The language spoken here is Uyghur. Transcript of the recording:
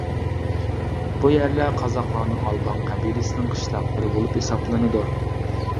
بۇ يەرلەر قازاقلارنىڭ ئالبان قەبىلىسىنىڭ قىشلاقلىرى بولۇپ ھېسابلىنىدۇ.